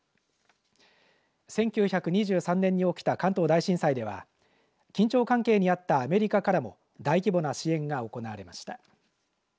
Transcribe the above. １９２３年に起きた関東大震災では緊張関係にあったアメリカからも大規模な支援が行われました。